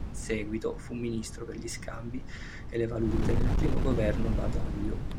In seguito fu Ministro per gli scambi e le valute nel primo governo Badoglio.